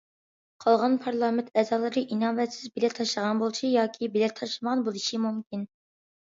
قالغان پارلامېنت ئەزالىرى ئىناۋەتسىز بېلەت تاشلىغان بولۇشى ياكى بېلەت تاشلىمىغان بولۇشى مۇمكىن.